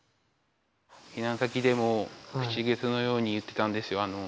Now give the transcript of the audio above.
避難先でも口癖のように言ってたんですよ。